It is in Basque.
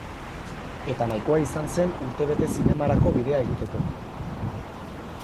Eta nahikoa izan zen urte bete zinemarako bidea egiteko.